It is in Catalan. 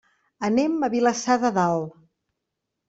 Anem a Vilassar de Dalt.